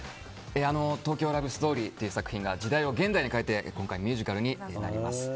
「東京ラブストーリー」という作品が時代を現代に変えて今回ミュージカルになります。